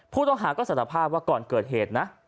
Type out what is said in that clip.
ผู้ต้องหาก็สารภาพว่าก่อนเกิดเหตุนะ